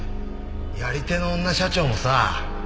やり手の女社長もさ